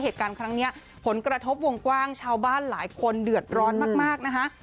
เหตุการณ์ครั้งนี้ผลกระทบวงกว้างชาวบ้านหลายคนเดือดร้อนมากนะคะ